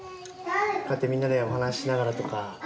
こうやってみんなでお話ししながらとか。